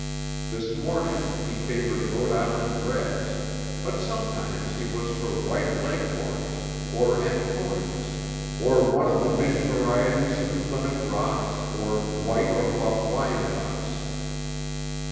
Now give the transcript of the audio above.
This morning he favored Rhode Island Reds, but sometimes he was for White Leghorns, or Anconas, or one of the many varieties of Plymouth Rocks or White or Buff Wyandottes.